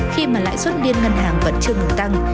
khi mà lãi suất liên ngân hàng vẫn chưa ngừng tăng